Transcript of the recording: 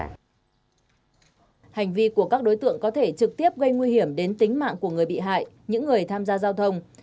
chính vì vậy các đối tượng khai nhận đã thực hiện trót lọt bốn vụ cướp giật tài sản trên địa bàn